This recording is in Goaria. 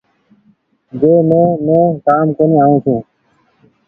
جنهن مي مين ڪآم ڪونيٚ آئو ڇون ۔